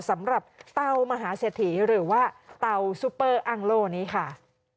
สำหรับเตามหาเศรษฐีหรือว่าเตาซูเปอร์อังโล่นี้ค่ะ